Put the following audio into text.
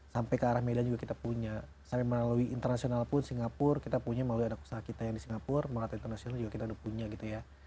sampai ke arah media juga kita punya sampai melalui internasional pun singapura kita punya melalui anak usaha kita yang di singapura melalui internasional juga kita udah punya gitu ya